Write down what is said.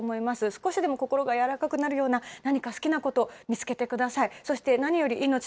少しでも心がやわらかくなるような、何か好きなこと、見つけてください。